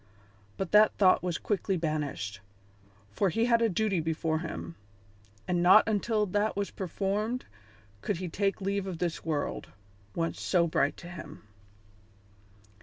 But that thought was quickly banished, for he had a duty before him, and not until that was performed could he take leave of this world, once so bright to him.